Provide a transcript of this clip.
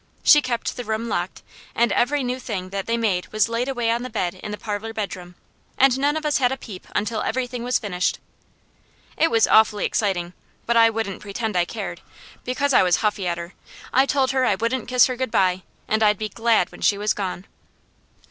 She kept the room locked, and every new thing that they made was laid away on the bed in the parlour bedroom, and none of us had a peep until everything was finished. It was awfully exciting, but I wouldn't pretend I cared, because I was huffy at her. I told her I wouldn't kiss her goodbye, and I'd be GLAD when she was gone.